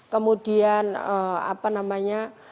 kemudian apa namanya